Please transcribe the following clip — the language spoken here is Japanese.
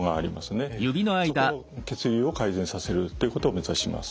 そこの血流を改善させるということを目指します。